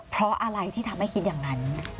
เพราะอะไรที่ทำให้คิดอย่างนั้น